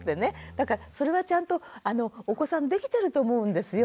だからそれはちゃんとお子さんできてると思うんですよ。